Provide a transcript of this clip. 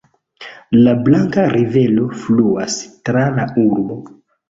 La Blanka Rivero fluas tra la urbo.